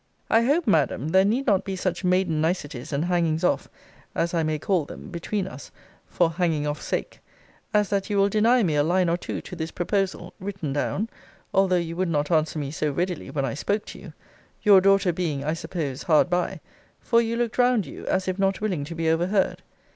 I hope, Madam, there need not be such maiden niceties and hangings off, as I may call them, between us, (for hanging off sake,) as that you will deny me a line or two to this proposal, written down, although you would not answer me so readily when I spoke to you; your daughter being, I suppose, hard by; for you looked round you, as if not willing to be overheard.